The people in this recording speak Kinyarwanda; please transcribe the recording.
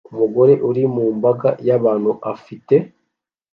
Umugore uri mu mbaga y'abantu afite